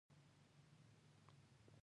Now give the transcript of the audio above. وینز ښار د ټاپوګانو ټولګه ده